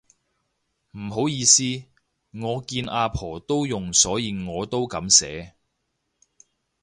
唔好意思，我見阿婆都用所以我都噉寫